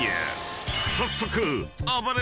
［早速］